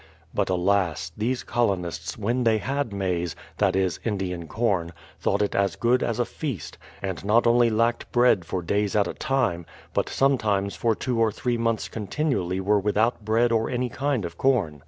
But alas ! these colonists, when they had maize, —that is Indian corn, — thought it as good as a feast; and not only lacked bread for days at a time, but sometimes for two or three months continuously were without bread or any kind of corn.